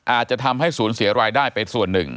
อาจจะทำให้ศูนย์เสียรายได้ไปส่วนหนึ่ง